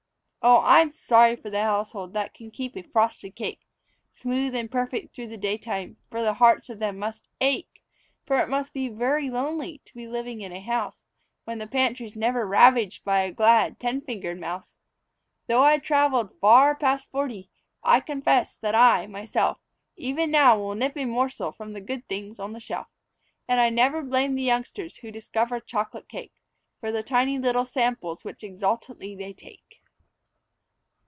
Oh, I'm sorry for the household that can keep a frosted cake Smooth and perfect through the daytime, for the hearts of them must ache For it must be very lonely to be living in a house Where the pantry's never ravaged by a glad ten fingered mouse. Though I've traveled far past forty, I confess that I, myself, Even now will nip a morsel from the good things on the shelf; And I never blame the youngsters who discover chocolate cake For the tiny little samples which exultantly they take.